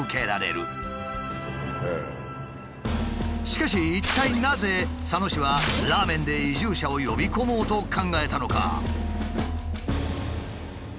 しかし一体なぜ佐野市はラーメンで移住者を呼び込もうと考えたのか？